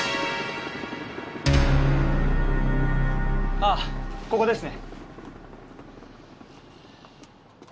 あっここですね。